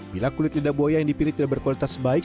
bila kulit lidah buaya yang dipilih tidak berkualitas baik